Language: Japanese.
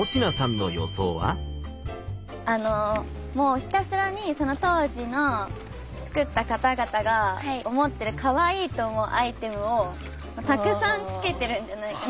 あのもうひたすらにその当時のつくった方々が思ってるかわいいと思うアイテムをたくさんつけてるんじゃないか。